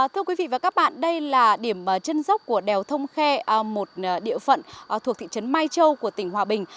thưa quý vị và các bạn đây là điểm chân dốc của đèo thông khe một địa phận thuộc thị trấn mai châu của tỉnh hòa bình